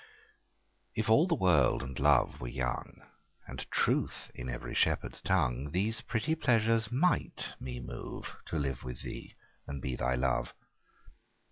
F all the world and love were young, And truth in every shepherd's tongue, These pretty pleasures might me move To live with thee and be thy love.